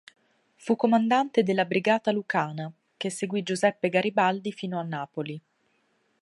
Fu comandante della "Brigata Lucana" che seguì Giuseppe Garibaldi fino a Napoli.